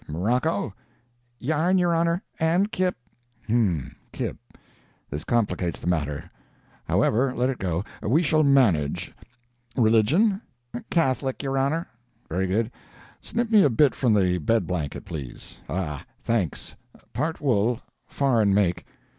Morocco?' "'Yarn, your Honor. And kip.' "'Um kip. This complicates the matter. However, let it go we shall manage. Religion?' "'Catholic, your Honor.' "'Very good. Snip me a bit from the bed blanket, please. Ah, thanks. Part wool foreign make.